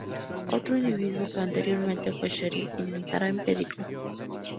Otro individuo que anteriormente fue sheriff, intentará impedirlo.